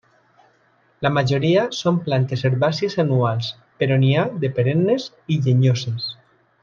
La majoria són plantes herbàcies anuals, però n'hi ha de perennes i llenyoses.